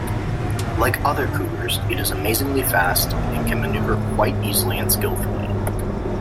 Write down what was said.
Like other cougars, it is amazingly fast, and can maneuver quite easily and skillfully.